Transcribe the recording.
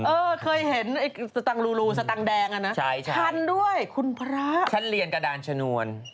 เออเคยเห็นไอ้สตังค์รูสตังค์แดงอ่ะนะชันด้วยคุณพระฉันเรียนกระดานชนวน